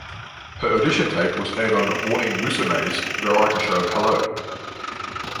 Her audition tape was aired on Morning Musume's variety show Hello!